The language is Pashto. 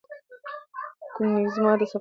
کوېنیګزمان د سفر په برابرولو کې مرسته وکړه.